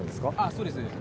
そうですね。